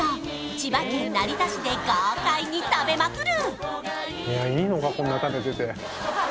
千葉県成田市で豪快に食べまくる！